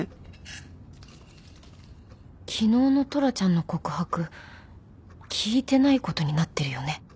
昨日のトラちゃんの告白聞いてない事になってるよね？